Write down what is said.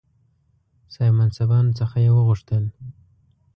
صاحب منصبانو څخه یې وغوښتل.